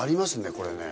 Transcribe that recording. これね。